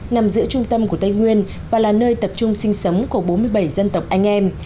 nằm giữa trung tâm của tây nguyên và là nơi tập trung sinh sống của bốn mươi bảy dân tộc anh em